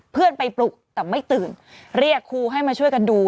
เพื่อนไปปลุกแต่ไม่ตื่นเรียกครูให้มาช่วยกันดู